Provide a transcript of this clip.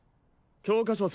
教科書